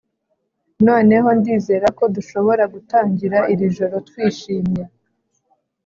noneho, ndizera ko dushobora gutangira iri joro, twishimye